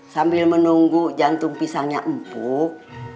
sambil menunggu jantung pisangnya empuk